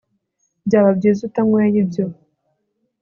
byaba byiza utanyweye ibyo